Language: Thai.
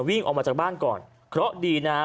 วิ่งออกมาจากบ้านก่อนเคราะห์ดีนะฮะ